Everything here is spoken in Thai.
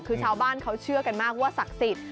คือชาวบ้านเขาเชื่อกันมากว่าศักดิ์สิทธิ